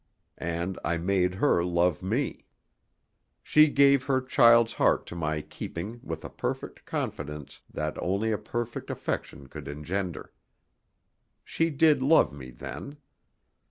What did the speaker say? And I made her love me. She gave her child's heart to my keeping with a perfect confidence that only a perfect affection could engender. She did love me then.